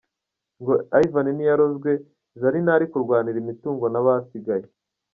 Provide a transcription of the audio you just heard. Ngo Ivan ntiyarozwe, Zari ntari kurwanira imitungo n’abasigaye.